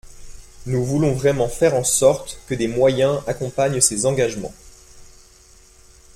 Nous voulons vraiment faire en sorte que des moyens accompagnent ces engagements.